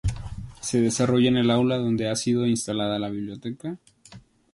Se desarrolla en el aula donde ha sido instalada la biblioteca.